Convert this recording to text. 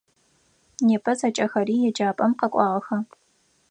Непэ зэкӏэхэри еджапӏэм къэкӏуагъэха?